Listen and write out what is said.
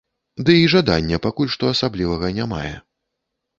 Ды і жадання пакуль што асаблівага не мае.